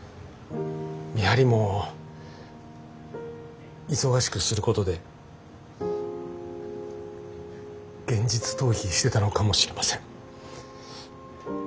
見張りも忙しくすることで現実逃避してたのかもしれません。